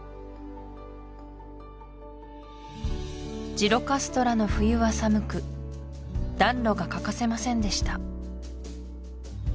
ジロカストラの冬は寒く暖炉が欠かせませんでした